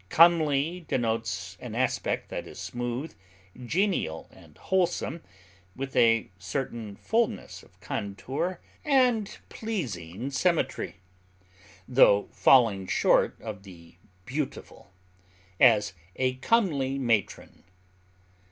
Comely denotes an aspect that is smooth, genial, and wholesome, with a certain fulness of contour and pleasing symmetry, tho falling short of the beautiful; as, a comely matron.